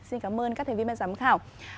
xin cảm ơn các thành viên ban giám khảo